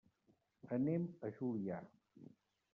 Anem a Juià.